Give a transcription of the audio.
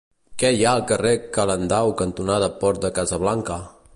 Què hi ha al carrer Calendau cantonada Port de Casablanca?